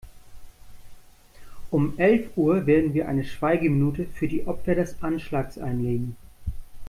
Um elf Uhr werden wir eine Schweigeminute für die Opfer des Anschlags einlegen.